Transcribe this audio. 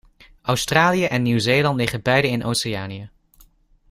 Australië en Nieuw Zeeland liggen beide in Oceanië.